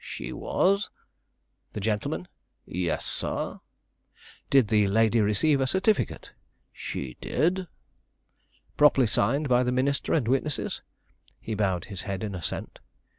"She was." "The gentleman?" "Yes, sir." "Did the lady receive a certificate?" "She did." "Properly signed by the minister and witnesses?" He bowed his head in assent.